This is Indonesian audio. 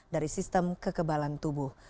dari sistem kekebalan tubuh